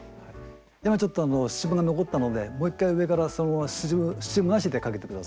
今ちょっとスチームが残ったのでもう１回上からそのままスチームなしでかけて下さい。